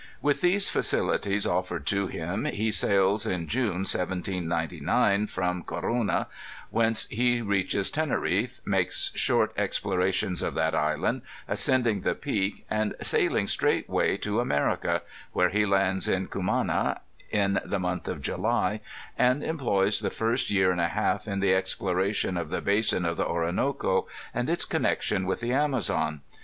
With these facilities offered to him, he sails in June, 1799, from Corunna, whence he reaches Tenenffe, makes short explorations of that island, ascending the peak, and sailing straightway to America, where he lands in Cumana, in the month of July, and employs the first year and a half in the exploration of the basin of the Orinoco and its connection with the Amazon.